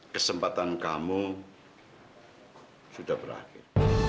kesempatan kamu sudah berakhir